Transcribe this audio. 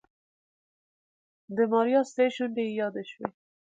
د ماريا سرې شونډې يې يادې شوې.